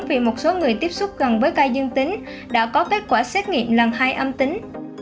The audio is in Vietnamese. vì một số người tiếp xúc gần với ca dương tính đã có kết quả xét nghiệm lần hai âm tính